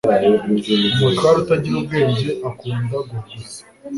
Umutware utagira ubwenge akunda guhuguza